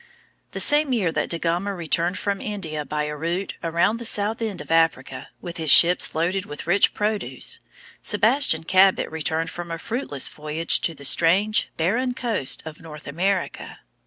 [Illustration: Costume of Explorers.] The same year that Da Gama returned from India by a route around the south end of Africa, with his ships loaded with rich produce, Sebastian Cabot returned from a fruitless voyage to the strange, barren coast of North America.